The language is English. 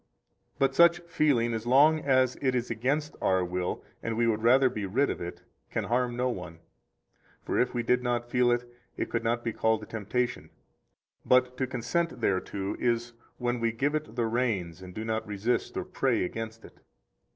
108 But such feeling, as long as it is against our will and we would rather be rid of it, can harm no one. For if we did not feel it, it could not be called a temptation. But to consent thereto is when we give it the reins and do not resist or pray against it.